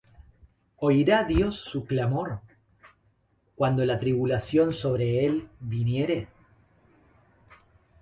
¿Oirá Dios su clamor Cuando la tribulación sobre él viniere?